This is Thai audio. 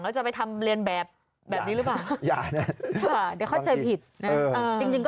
ก็ไหนมันก็ผิดไปแล้วไม่แก้ไปใช่ไหม